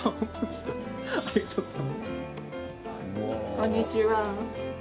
こんにちは。